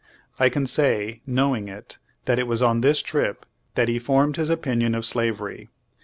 I can say, knowing it, that it was on this trip that he formed his opinion of slavery.